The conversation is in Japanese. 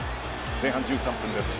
前半１３分です。